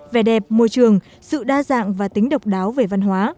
vẻ đẹp môi trường sự đa dạng và tính độc đáo về văn hóa